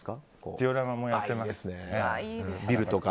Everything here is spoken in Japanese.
ジオラマもやってますね。